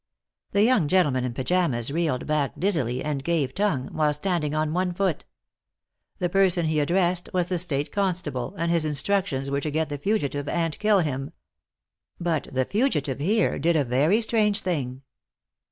The young gentleman in pajamas reeled back dizzily and gave tongue, while standing on one foot. The person he addressed was the state constable, and his instructions were to get the fugitive and kill him. But the fugitive here did a very strange thing.